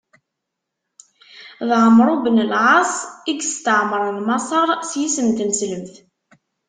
D Ɛemru ben Lɛaṣ i yestɛemren Maṣer s yisem n tneslemt.